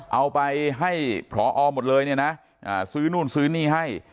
เอาไปให้พรออมหมดเลยซื้อนู่นซื้อนี่ให้